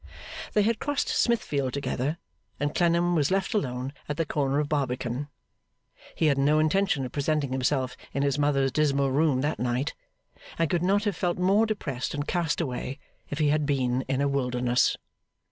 They had crossed Smithfield together, and Clennam was left alone at the corner of Barbican. He had no intention of presenting himself in his mother's dismal room that night, and could not have felt more depressed and cast away if he had been in a wilderness.